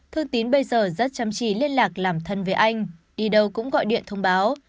thương tín bây giờ rất chăm chỉ liên lạc làm thân với anh đi đâu cũng gọi điện thông báo